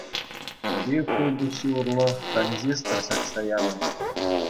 Пӗри хул-пуҫҫи урлӑ транзистор ҫакса янӑ.